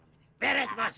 udah turun bos